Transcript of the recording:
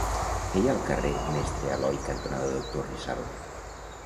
Què hi ha al carrer Mestre Aloi cantonada Doctor Rizal?